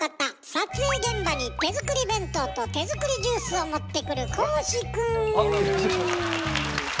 撮影現場に手作り弁当と手作りジュースを持ってくるよろしくお願いします。